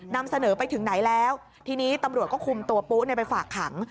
นำเสนอไปถึงไหนแล้วทีนี้ตำรวจก็คุมตัวปุ๊ไปฝากขัง